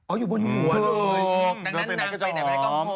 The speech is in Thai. อ๋ออยู่บนหัว